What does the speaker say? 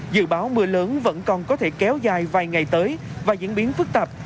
dự báo mưa lớn vẫn còn có thể kéo dài vài ngày tới và diễn biến phức tạp